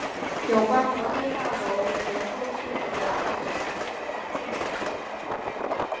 有关摩天大楼结构设计的调查依然在进行中。